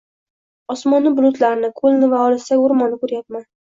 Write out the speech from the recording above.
Osmonni, bulutlarni, koʻlni va olisdagi oʻrmonni koʻryapman